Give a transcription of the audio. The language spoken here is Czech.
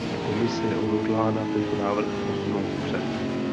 Komise je odhodlána tento návrh posunout vpřed.